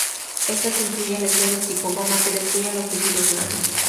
Estas incluyen lesiones tipo goma, que destruyen los tejidos blandos.